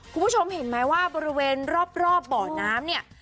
คุณผู้ชมเห็นไหมว่าบริเวณรอบบ่อน้ำเนี่ย